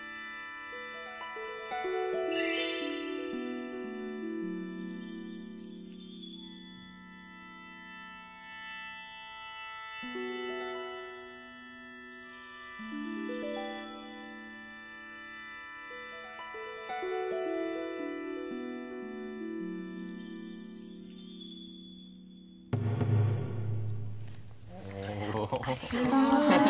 ありがとうございます。